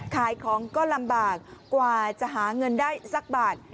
ขายของก็ลำบากกว่าจะหาเงินได้สักบาท